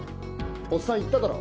おっさん行っただろ？